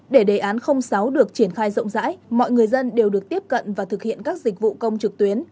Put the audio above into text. để đề án sáu được triển khai rộng rãi mọi người dân đều được tiếp cận và thực hiện các dịch vụ công trực tuyến